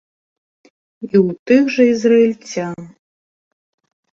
І ў тых жа ізраільцян.